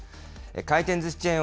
回転ずしチェーン